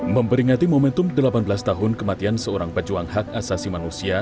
memperingati momentum delapan belas tahun kematian seorang pejuang hak asasi manusia